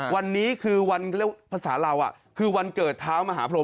วันนี้คือวันภาษาเราคือวันเกิดท้าวมหาโผล่ม